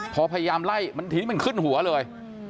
พอพยายามไล่มันทิ้งมันขึ้นหัวเลย